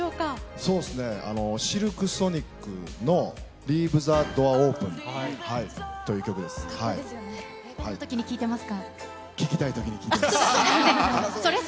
そうですね、シルクソニックのＬｅａｖｅｔｈｅＤｏｏｒＯｐｅｎというどんなときに聴いていますか？